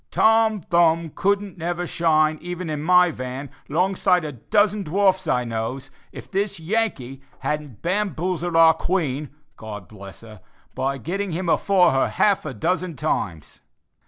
Tom Thumb couldn't never shine, even in my van, 'long side of a dozen dwarfs I knows, if this Yankee hadn't bamboozled our Queen, God bless her by getting him afore her half a dozen times."